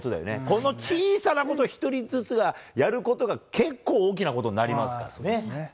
この小さなことを一人ずつがやることが結構、大きなことになりまそうですね。